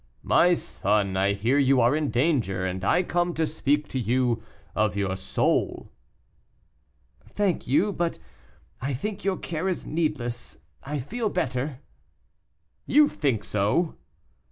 "My son, I hear you are in danger, and I come to speak to you of your soul." "Thank you, but I think your care is needless; I feel better." "You think so?"